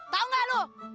tau ga lu